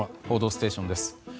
「報道ステーション」です。